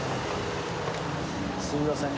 すみません